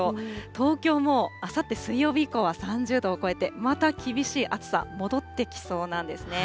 東京もあさって水曜日以降は３０度を超えて、また厳しい暑さ、戻ってきそうなんですね。